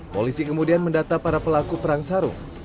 polisi kemudian mendata para pelaku perang sarung